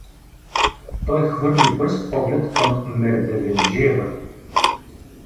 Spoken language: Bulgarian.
Той хвърли бърз поглед към Мердевенджиева.